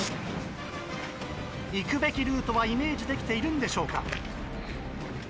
行くべきルートはイメージできているんでしょうか。